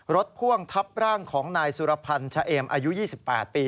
พ่วงทับร่างของนายสุรพันธ์ชะเอมอายุ๒๘ปี